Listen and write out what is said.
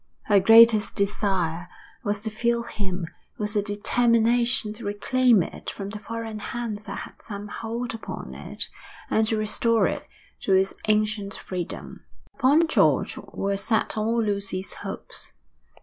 Her greatest desire was to fill him with the determination to reclaim it from the foreign hands that had some hold upon it, and to restore it to its ancient freedom. Upon George were set all Lucy's hopes.